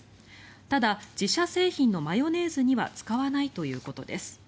ただ、自社製品のマヨネーズには使わないということです。